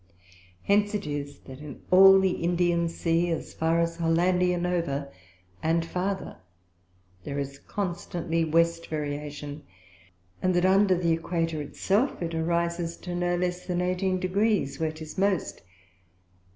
Hence it is, that in all the Indian Sea as far as Hollandia Nova, and farther, there is constantly West Variation; at that under the Equator it self it arises to no less than eighteen Degrees, where 'tis most.